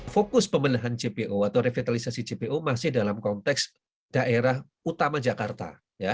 fokus pembenahan jpo atau revitalisasi jpo masih dalam konteks daerah utama jakarta